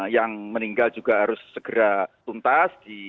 yang meninggal juga harus segera tuntas